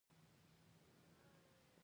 په افغانستان کې ژبې ډېر زیات اهمیت لري.